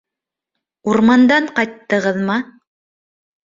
Урмандан ҡайттығыҙмы?